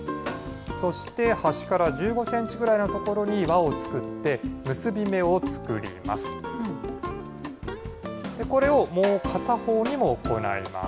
そして端から１５センチくらいのところに輪を作って、結び目を作ります。